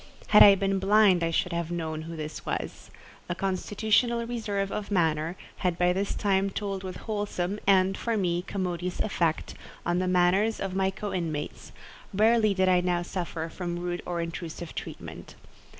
Had I been blind I should have known who this was. A constitutional reserve of manner had by this time told with wholesome and, for me, commodious effect, on the manners of my co inmates; rarely did I now suffer from rude or intrusive treatment.